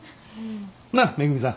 なっめぐみさん。